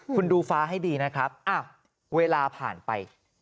คุณดูฟ้าให้ดีนะครับเวลาผ่านไป